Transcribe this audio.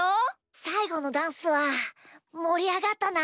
さいごのダンスはもりあがったな！